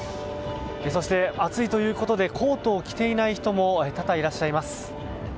そして、暑いということでコートを着ていない人も多々いらっしゃいます。